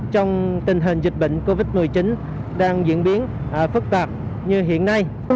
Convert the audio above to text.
trong tình hình dịch bệnh covid một mươi chín đang diễn biến phức tạp như hiện nay